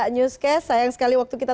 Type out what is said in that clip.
newscast sayang sekali waktu kita